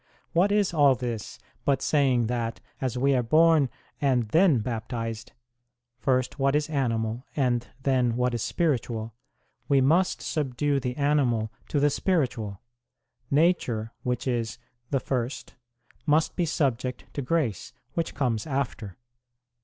What is all this but saying, that as we are born and then baptized, first what is animal and then what is spiritual, we must subdue the animal to the spiritual ; nature, which is the first, must be subject to grace, which comes after.